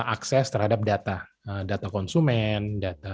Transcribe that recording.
akses terhadap data konsumen